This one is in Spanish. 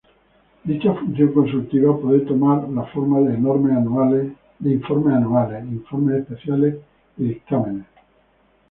Dicha función consultiva puede tomar la forma de informes anuales, informes especiales y dictámenes.